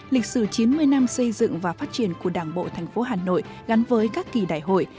lịch sử chín mươi năm xây dựng và phát triển của đảng bộ thành phố hà nội gắn với các kỳ đại hội